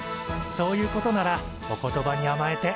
そういうことならお言葉にあまえて。